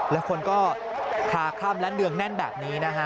และคนก็คาข้ามและเนืองแน่นแบบนี้นะฮะ